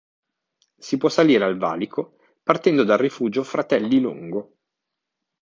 Si può salire al valico partendo dal rifugio Fratelli Longo.